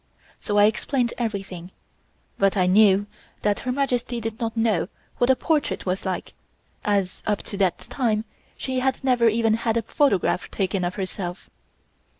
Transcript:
So I explained everything, but I knew that Her Majesty did not know what a portrait was like, as, up to that time she had never even had a photograph taken of herself.